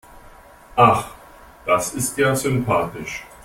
Ach, das ist ja sympathisch.